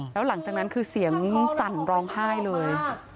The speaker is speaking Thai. แล้วหลังจากนั้นคือเสียงสั่นร้องไห้เลย